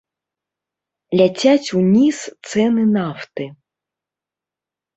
Ляцяць уніз цэны нафты.